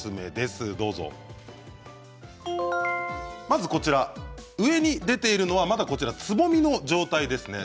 まずこちら上に出ているのはまだこちらつぼみの状態ですね。